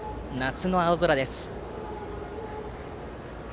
夏の青空です。